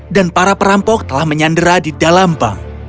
dan para perampok telah menyandera di dalam bank